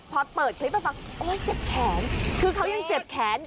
พอเปิดคลิปให้ฟังโอ๊ยเจ็บแขนคือเขายังเจ็บแขน